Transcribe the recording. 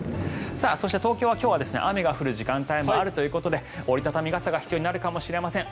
そして、東京は雨が降る時間帯もあるということで折り畳み傘が必要になるかもしれません。